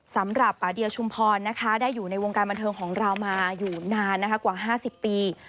สำหรับปาเดียชุมพรได้อยู่ในวงการบันเทิงของเรามาอยู่นานกว่า๕๐ปี